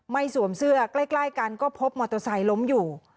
สวมเสื้อใกล้กันก็พบมอเตอร์ไซค์ล้มอยู่